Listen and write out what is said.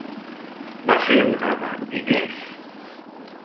Va ser un home amb diners?